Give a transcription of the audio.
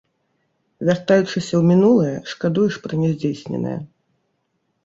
Вяртаючыся ў мінулае, шкадуеш пра няздзейсненае.